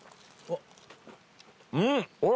あっうわ。